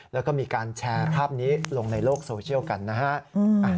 แล้วก็มีการแชร์ภาพนี้ลงในโลกโซเชียลกันนะฮะ